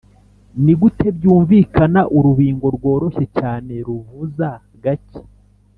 nigute byumvikana urubingo rworoshye cyane ruvuza gake,